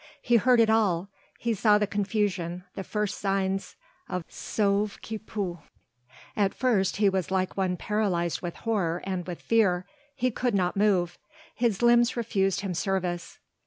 He heard it all, he saw the confusion, the first signs of sauve qui peut. At first he was like one paralyzed with horror and with fear; he could not move, his limbs refused him service.